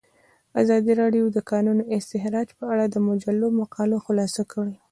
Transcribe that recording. ازادي راډیو د د کانونو استخراج په اړه د مجلو مقالو خلاصه کړې.